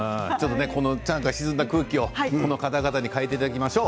この沈んだ空気をこの方々に変えていただきましょう。